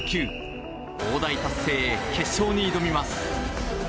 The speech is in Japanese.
大台達成へ、決勝に挑みます。